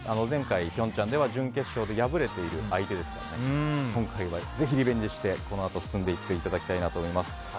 前回平昌では準決勝で敗れている相手ですから今回はぜひリベンジしてこのあと進んでいただきたいなと思います。